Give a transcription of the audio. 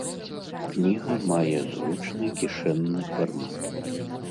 Кніга мае зручны кішэнны фармат.